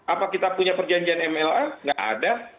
apa kita punya perjanjian mla nggak ada